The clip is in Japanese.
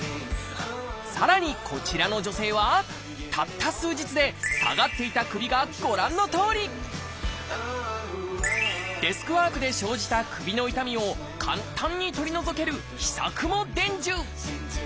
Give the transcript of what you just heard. さらにこちらの女性はたった数日で下がっていた首がご覧のとおりデスクワークで生じた首の痛みを簡単に取り除ける秘策も伝授。